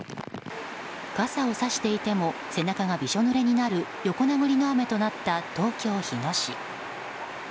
傘をさしていても背中がびしょぬれになる横殴りの雨となった東京・日野市。